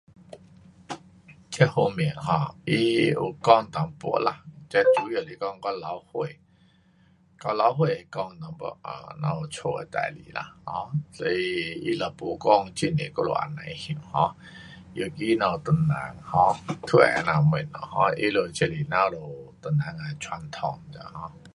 这方面 um 他有讲一点啦，这主要是讲我老爹，我老爹会讲一点 um 咱家的事情啦，um 所以他若不讲很多我们也甭晓 um 尤其咱们唐人 um 都会这样东西 um 他们这是咱们唐人的传统这 um。